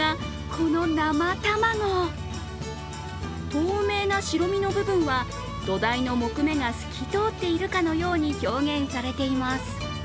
透明な白身の部分は土台の木目が透き通っているかのように表現されています。